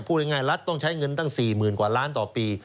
พูดง่ายรัฐต้องใช้เงินตั้ง๔๐๐๐กว่าล้านต่อปี